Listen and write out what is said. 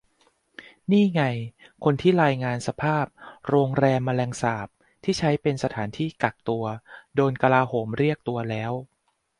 นี่ไง คนที่รายงานสภาพ"โรงแรมแมลงสาบ" ที่ใช้เป็นสถานที่กักตัว โดนกลาโหมเรียกตัวแล้ว